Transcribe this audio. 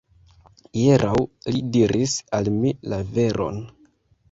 Hieraŭ li diris al mi la veron.